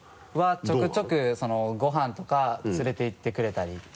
ちょくちょくご飯とか連れて行ってくれたり。